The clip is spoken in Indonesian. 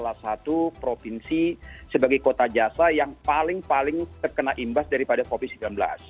salah satu provinsi sebagai kota jasa yang paling paling terkena imbas daripada covid sembilan belas